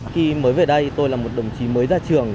khi mới về đây tôi là một đồng chí mới ra trường